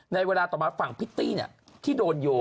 ในเวลาต่อมาฝั่งพิตตี้